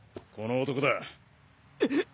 この男だ。え！？